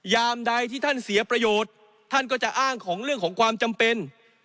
ยามใดที่ท่านเสียประโยชน์ท่านก็จะอ้างของเรื่องของความจำเป็น